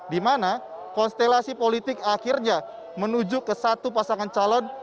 dimana konstelasi politik akhirnya menuju ke satu pasangan calon